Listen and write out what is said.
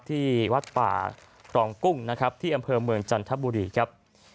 ที่วัดป่าครองกุ้งนะครับที่อำเภอเมืองจันทบุรีครับ